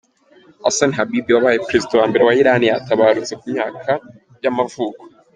Hassan Habibi wabaye perezida wa mbere wa Iran yaratabarutse, ku myaka y’amavuko.